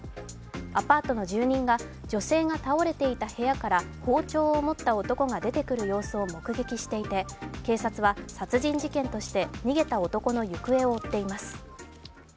アパートの住人が女性が倒れていた部屋から包丁を持った男が出てくる様子を目撃していて警察は殺人事件として逃げた男の行方を追っています。